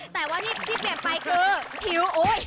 แต่ที่เปลี่ยนไปคือผิว